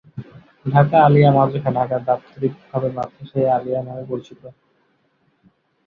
ঢাকা আলিয়া মাদ্রাসা, ঢাকা দাপ্তরিক ভাবে মাদ্রাসা-ই-আলিয়া নামে পরিচিত।